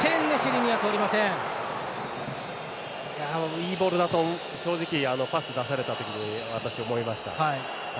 いいボールだと正直、パス出されたときに私、思いました。